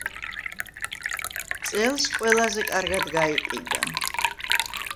წელს ყველაზე კარგად გაიყიდა.